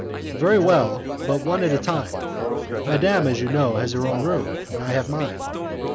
"Very well, but one at a time. Madam, as you know, has her own room and I have mine."